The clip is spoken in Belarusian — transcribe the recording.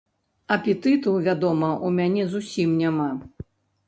Апетыту, вядома, у мяне зусім няма.